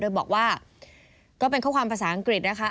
โดยบอกว่าก็เป็นข้อความภาษาอังกฤษนะคะ